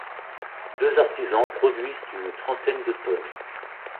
Deux artisans produisent une trentaine de tonnes.